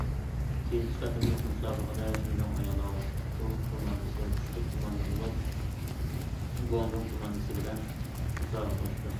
كېيىنكى قېتىملىق مۇسابىقىدە، شىنجاڭ ئاياللار ۋاسكېتبول كوماندىسى كۈچلۈك كوماندا بولغان گۇاڭدۇڭ كوماندىسى بىلەن مۇسابىقىلىشىدۇ.